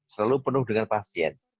selalu penuh dengan pasien